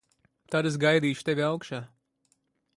Tad es gaidīšu tevi augšā.